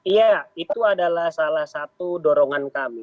iya itu adalah salah satu dorongan kami